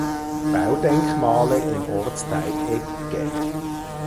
Baudenkmale im Ortsteil Egge.